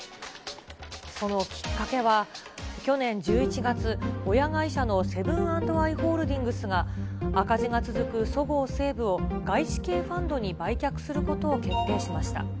そのきっかけは、去年１１月、親会社のセブン＆アイ・ホールディングスが赤字が続くそごう・西武を外資系ファンドに売却することを決定しました。